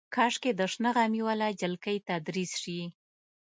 کاشکې د شنه غمي واله جلکۍ تدریس شي.